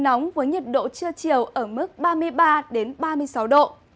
nóng với nhiệt độ trưa chiều ở mức ba mươi ba ba mươi sáu độ